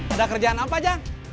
ada kerjaan apa jang